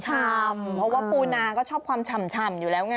ชำเพราะว่าปูนาก็ชอบความฉ่ำอยู่แล้วไง